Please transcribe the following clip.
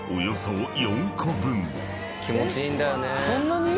気持ちいいんだよね。